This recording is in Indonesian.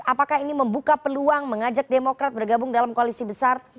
apakah ini membuka peluang mengajak demokrat bergabung dalam koalisi besar